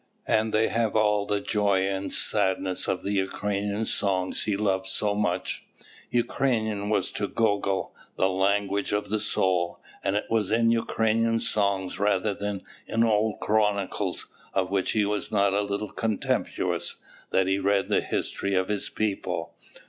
And they have all the joy and sadness of the Ukrainian songs he loved so much. Ukrainian was to Gogol "the language of the soul," and it was in Ukrainian songs rather than in old chronicles, of which he was not a little contemptuous, that he read the history of his people.